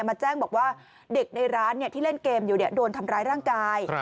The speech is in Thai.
มาแจ้งบอกว่าเด็กในร้านที่เล่นเกมอยู่โดนทำร้ายร่างกาย